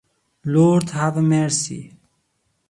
Lord, have mercy.